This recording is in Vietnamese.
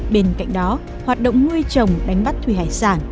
bên cạnh đó hoạt động nuôi trồng đánh bắt thủy hải sản